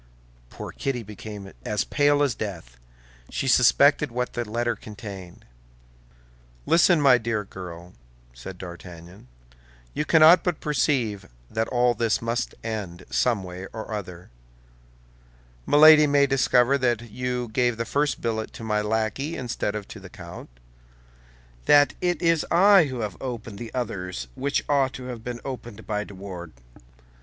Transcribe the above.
Poor Kitty became as pale as death; she suspected what the letter contained. "Listen, my dear girl," said D'Artagnan; "you cannot but perceive that all this must end, some way or other. Milady may discover that you gave the first billet to my lackey instead of to the count's; that it is I who have opened the others which ought to have been opened by de Wardes.